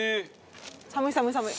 寒い寒い寒い。